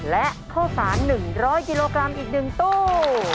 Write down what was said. และข้าวสาร๑๐๐กิโลกรัมอีก๑ตู้